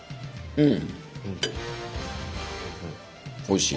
うん。